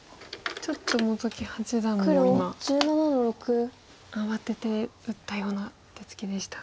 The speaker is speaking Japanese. ちょっと本木八段も今慌てて打ったような手つきでしたが。